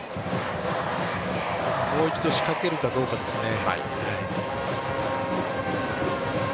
もう一度仕掛けるかどうかですね。